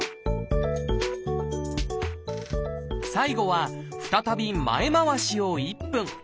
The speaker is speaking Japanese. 最後は再び前回しを１分。